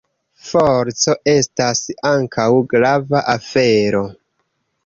Forsto estas ankaŭ grava afero.